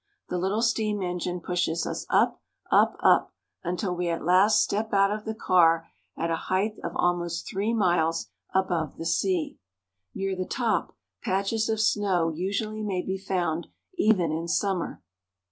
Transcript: The little steam engine pushes us up, up, up, until we at last step out of the car at a height of almost three miles above the sea. Near the top, patches of snow usually may be found even in summer.